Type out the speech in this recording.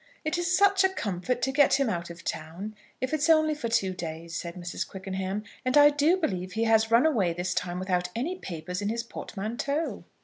"It is such a comfort to get him out of town, if it's only for two days," said Mrs. Quickenham; "and I do believe he has run away this time without any papers in his portmanteau."